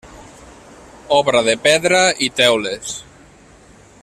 Obra de pedra i teules.